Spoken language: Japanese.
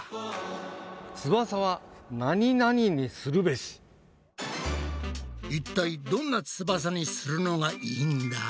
まずはいったいどんな翼にするのがいいんだ？